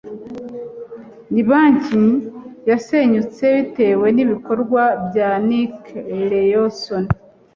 Ni Banki yasenyutse bitewe nibikorwa bya Nick Leeson